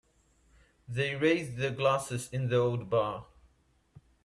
They raised their glasses in the old bar.